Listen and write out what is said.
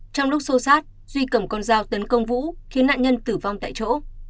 trong lúc sâu sát duy cầm con dao tấn công vũ khiến nạn nhân tử vong tại chỗ